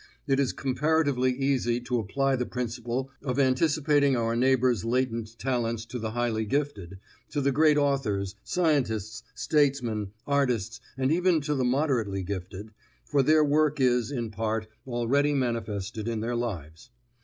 It is comparatively easy to apply the principle of anticipating our neighbor's latent talents to the highly gifted, to the great authors, scientists, statesmen, artists, and even to the moderately gifted, for their worth is, in part, already manifested in their lives.